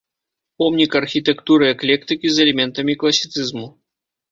Помнік архітэктуры эклектыкі з элементамі класіцызму.